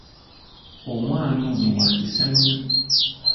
Omwana ono wa kisa nnyo.